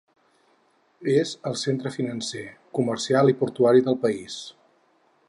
És el centre financer, comercial i portuari del país.